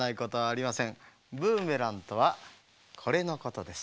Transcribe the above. ブーメランとはこれのことです。